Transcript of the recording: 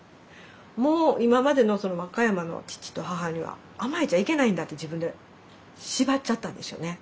もう今までの和歌山の父と母には甘えちゃいけないんだって自分で縛っちゃったんでしょうね。